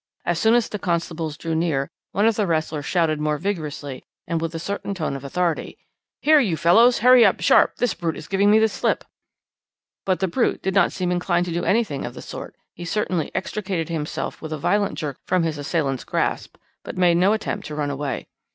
As soon as the constables drew near, one of the wrestlers shouted more vigorously, and with a certain tone of authority: "'Here, you fellows, hurry up, sharp; the brute is giving me the slip!' "But the brute did not seem inclined to do anything of the sort; he certainly extricated himself with a violent jerk from his assailant's grasp, but made no attempt to run away.